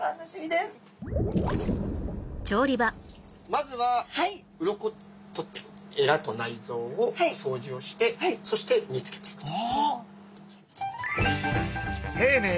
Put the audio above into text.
まずはうろこ取ってえらと内臓をそうじをしてそして煮つけていくと。